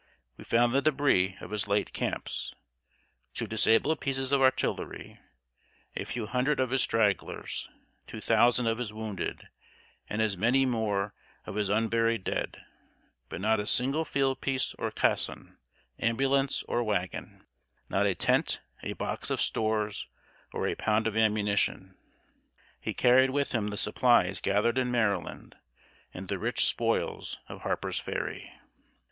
We found the débris of his late camps, two disabled pieces of artillery, a few hundred of his stragglers, two thousand of his wounded, and as many more of his unburied dead; but not a single field piece or caisson, ambulance or wagon, not a tent, a box of stores, or a pound of ammunition. He carried with him the supplies gathered in Maryland and the rich spoils of Harper's Ferry.